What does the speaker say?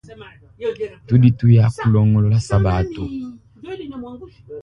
Tudi tuya kulongolola sabatu.